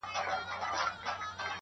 د دلدار د فراق غم را باندي ډېر سو؛